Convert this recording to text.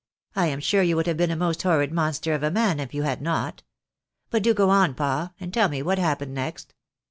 " I am sure you would have been a most horrid monster of a man if you had not. But do go on, pa, and tell me what happened next